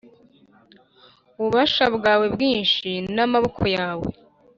Ububasha bwawe bwinshi n amaboko yawe